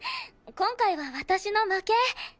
今回は私の負け。